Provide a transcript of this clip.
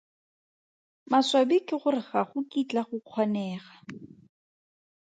Maswabi ke gore ga go kitla go kgonega.